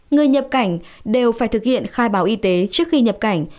người nhập cảnh đều phải thực hiện khai báo y tế trước khi nhập cảnh